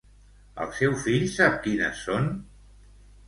El seu fill sap quines són?